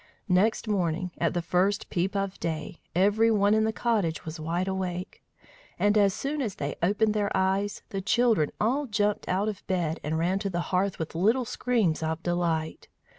Next morning, at the first peep of day, every one in the cottage was wide awake; and as soon as they opened their eyes, the children all jumped out of bed and ran to the hearth with little screams of delight.